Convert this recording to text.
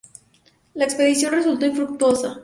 La expedición resultó infructuosa.